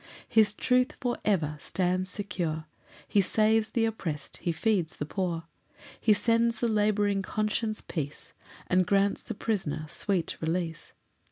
5 His truth for ever stands secure; He saves th' opprest, he feeds the poor; He sends the labouring conscience peace, And grants the prisoner sweet release.